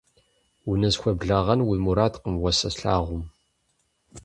Унысхуеблэгъэн уи мурадкъым уэ сэ слъагъум.